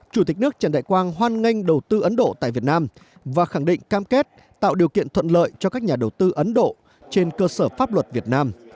chủ tịch nước trần đại quang hoan nghênh đầu tư ấn độ tại việt nam và khẳng định cam kết tạo điều kiện thuận lợi cho các nhà đầu tư ấn độ trên cơ sở pháp luật việt nam